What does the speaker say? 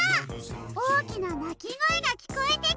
おおきななきごえがきこえてきそう！